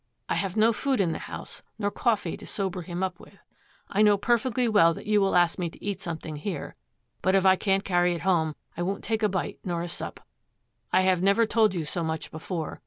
I have no food in the house nor coffee to sober him up with. I know perfectly well that you will ask me to eat something here, but if I can't carry it home, I won't take a bite nor a sup. I have never told you so much before.